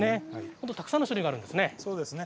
たくさんの種類があるんですね。